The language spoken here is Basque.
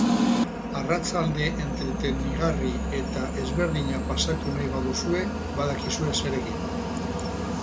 Arratsalde entretenigarri eta ezberdina pasatu nahi baduzue, badakizue zer egin!